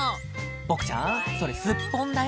ボクちゃんそれスッポンだよ